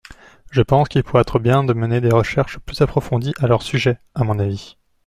Je pense qu’il pourrait être bien de mener des recherches plus approfondies à leur sujet, à mon avis.